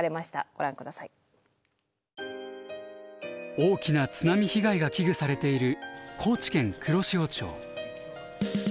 大きな津波被害が危惧されている高知県黒潮町。